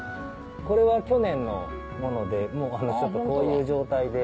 これは去年のものでもうこういう状態で。